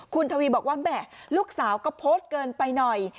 คุณทวีบอกว่าแหม่ลูกสาวก็โพสต์เกินไปหน่อย